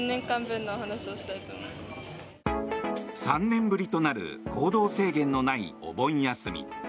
３年ぶりとなる行動制限のないお盆休み。